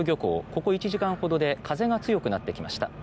ここ１時間ほどで風が強くなってきました。